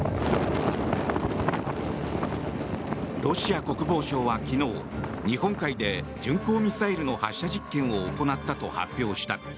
ロシア国防省は昨日、日本海で巡航ミサイルの発射実験を行ったと発表した。